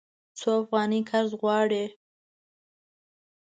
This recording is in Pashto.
څو افغانۍ قرض غواړې؟